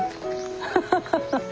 ハハハハ。